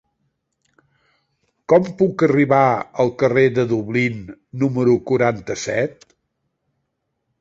Com puc arribar al carrer de Dublín número quaranta-set?